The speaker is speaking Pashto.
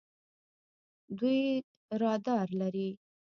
دوی رادار لري.